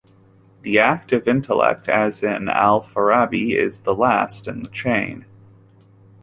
The active intellect, as in Alfarabi, is the last in the chain.